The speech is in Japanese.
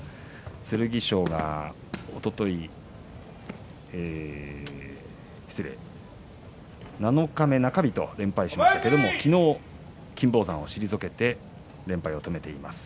剣翔が七日目、中日と連敗しましたが昨日、金峰山を退けて連敗を止めています。